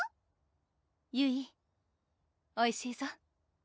ゆいおいしいぞ？